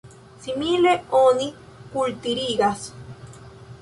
Simile oni kulturigas.